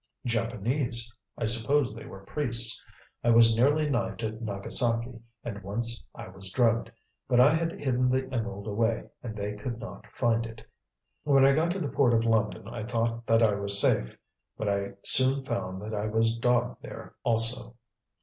"Japanese. I suppose they were priests. I was nearly knifed at Nagasaki and once I was drugged. But I had hidden the emerald away, and they could not find it. When I got to the Port of London I thought that I was safe; but I soon found that I was dogged there also."